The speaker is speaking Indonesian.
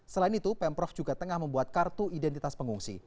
selain itu pemprov juga tengah membuat kartu identitas pengungsi